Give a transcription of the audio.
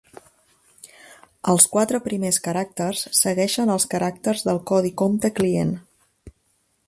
Als quatre primers caràcters segueixen els caràcters del Codi Compte Client.